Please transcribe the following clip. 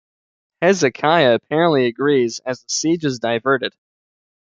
Hezekiah apparently agrees, as the siege is diverted.